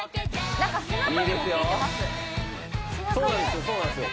背中もそうなんですよ